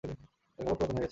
তার কাপড় পুরাতন হয়ে গেছে।